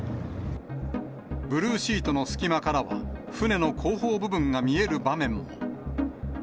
ブルーシートの隙間からは、船の後方部分が見える場面も。